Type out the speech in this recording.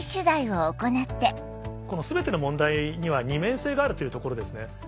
この全ての問題には二面性があるというところですね。